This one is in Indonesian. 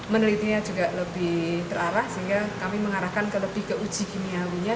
menelitinya juga lebih terarah sehingga kami mengarahkan ke lebih ke uji kimiawinya